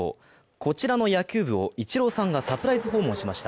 こちらの野球部をイチローさんがサプライズ訪問しました。